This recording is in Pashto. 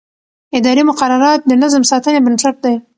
اداري مقررات د نظم ساتنې بنسټ دي.